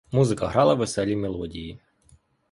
Музика грала веселі мелодії.